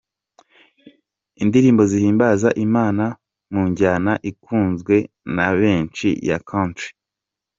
indirimbo zihimbaza Imana mu njyana ikunzwe na benshi ya Country,.